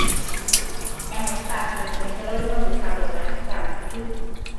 É un espazo enriquecedor e non descarto regresar no futuro.